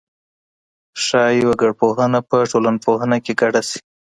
ښايي وګړپوهنه په ټولنپوهنه کي ګډه سي.